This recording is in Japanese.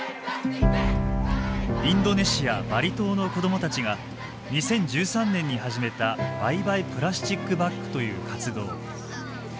インドネシアバリ島の子供たちが２０１３年に始めたバイバイプラスチックバッグという活動。